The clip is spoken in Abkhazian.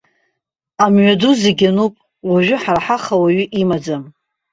Амҩаду зегьы ануп, уажәы ҳара ҳаха уаҩы имаӡам.